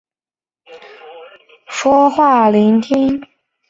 侧线显着而直走。